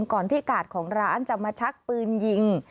ก่อนที่กาดของร้านจะมาชักปืนยิง